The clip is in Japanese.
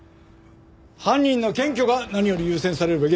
犯人の検挙が何より優先されるべきだ。